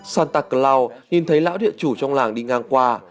santa claus nhìn thấy lão địa chủ trong làng đi ngang